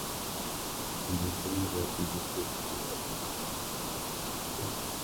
She played paranormal investigator Frances Culpepper.